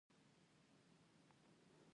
هغه زه د پاچا دربار ته یووړم.